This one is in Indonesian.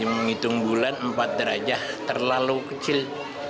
menghitung bulan empat derajat terlalu kecil